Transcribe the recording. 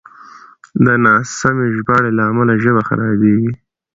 د ناسمې ژباړې له امله ژبه خرابېږي.